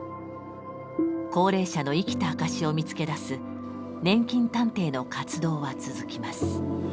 高齢者の生きた証しを見つけ出す年金探偵の活動は続きます。